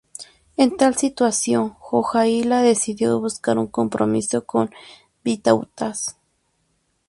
En tal situación, Jogaila decidió buscar un compromiso con Vytautas.